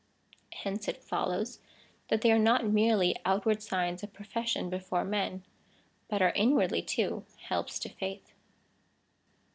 Hence it follows, that they are not merely outward signs of profession before men, but are inwardly, too, helps to faith.